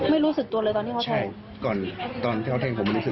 ไม่รู้สึกตัวเลยตอนนี้พ่อแทงแล้วใช่